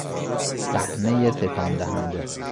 صحنهی تکان دهنده